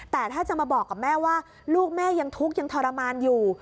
แต่ถ้าจะมาบอกกับแม่ว่าลูกแม่ยังทุกข์ยังทรมานอยู่